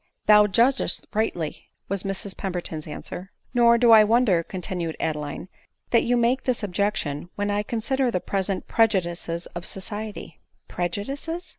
•" Thou judgest rightly," was Mrs Pemberton's answer. " Nor do I wonder," continued Adeline, " that you make this objection, when I consider the present pre judices of society." " Prejudices